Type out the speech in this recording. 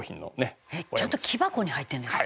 ちゃんと木箱に入ってるんですか？